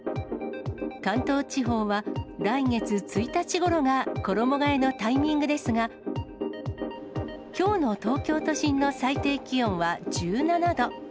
関東地方は来月１日ごろが衣がえのタイミングですが、きょうの東京都心の最低気温は１７度。